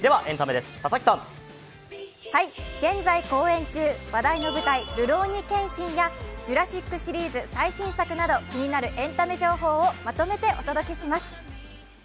現在公演中話題の舞台「るろうに剣心」や「ジュラシック」シリーズ最新作など気になるエンタメ情報をまとめてお届けします。